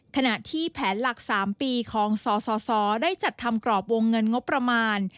ขณะที่แผนหลัก๓ปีของสสได้จัดทำกรอบวงเงินงบประมาณ